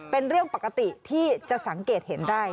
เป็นเรื่องปกติที่จะสังเกตเห็นได้